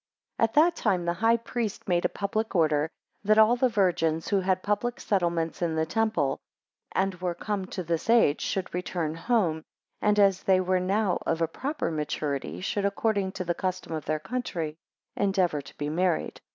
4 At that time the high priest made a public order, That all the virgins who had public settlements in the temple, and were come to this age, should return home, and, as they were now of a proper maturity, should, according to the custom of their country, endeavour to be married.